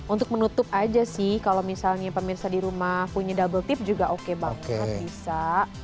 untuk menutup aja sih kalau misalnya pemirsa di rumah punya double tip juga oke banget bisa